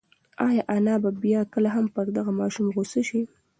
ایا انا به بیا کله هم پر دغه ماشوم غوسه شي؟